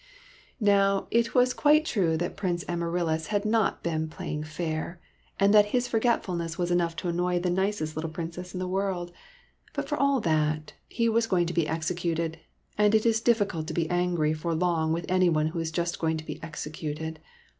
Now, it was quite true that Prince Amaryllis had not been playing fair, and that his forget fulness was enough to annoy the nicest little Princess in the world ; but for all that, he was going to be executed, and it is difficult to be angry for long with anyone who is just going to be executed.